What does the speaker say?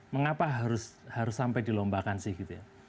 mengapa harus sampai dilombakan sih gitu ya